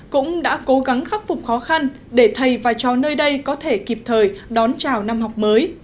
cũng đã cố gắng khắc phục khó khăn để thầy và trò nơi đây có thể kịp thời đón chào năm học mới